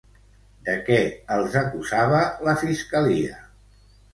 De què els acusava la Fiscalia?